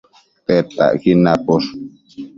Tedtacquid naposh